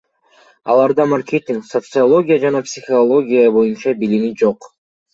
Аларда маркетинг, социология жана психология боюнча билими жок.